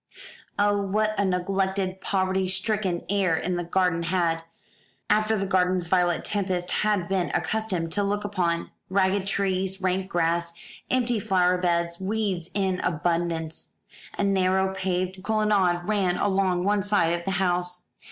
Oh, what a neglected, poverty stricken air the garden had, after the gardens Violet Tempest had been accustomed to look upon! Ragged trees, rank grass, empty flower beds, weeds in abundance. A narrow paved colonnade ran along one side of the house.